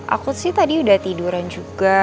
aku sih tadi udah tiduran juga